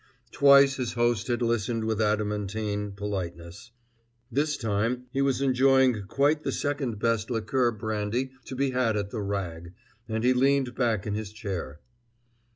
Twice his host had listened with adamantine politeness; this time he was enjoying quite the second best liqueur brandy to be had at the Rag; and he leaned back in his chair.